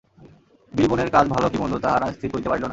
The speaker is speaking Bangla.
বিলবনের কাজ ভালো কি মন্দ তাহারা স্থির করিতে পারিল না।